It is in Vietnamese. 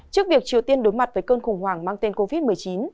trước việc triều tiên đối mặt với cơn khủng hoảng mang tên covid một mươi chín